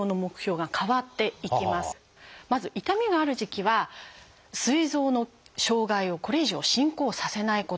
まず痛みがある時期はすい臓の障害をこれ以上進行させないこと。